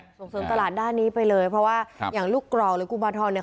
ส่งเสริมตลาดด้านนี้ไปเลยเพราะว่าอย่างลูกกรอกหรือกุมาทรเนี่ย